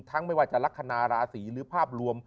ไม่ว่าจะลักษณะราศีหรือภาพรวม